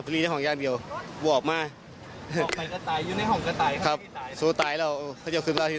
สิดีใจไหมครับให้เจอลูกคะวันนี้